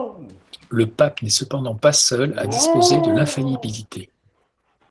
Le pape n'est cependant pas seul à disposer de l'infaillibilité.